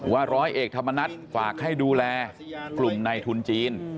ร้อยเอกธรรมนัฐฝากให้ดูแลกลุ่มในทุนจีน